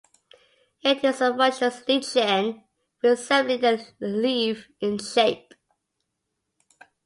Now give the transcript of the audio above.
It is a foliaceous lichen, resembling a leaf in shape.